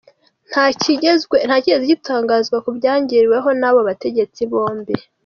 Nta kigezwe gitangazwa kubyaganiriweho n'abo bategetsi bombi.